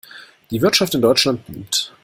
Die Wirtschaft in Deutschland boomt.